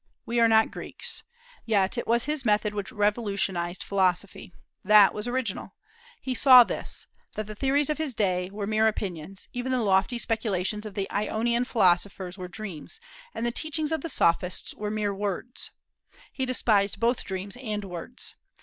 We are not Greeks. Yet it was his method which revolutionized philosophy. That was original. He saw this, that the theories of his day were mere opinions; even the lofty speculations of the Ionian philosophers were dreams, and the teachings of the Sophists were mere words. He despised both dreams and words.